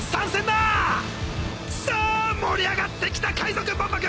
さあ盛り上がってきた海賊万博！